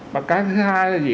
và cái thứ hai là gì